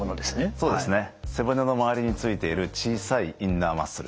そうですね背骨の周りについている小さいインナーマッスル。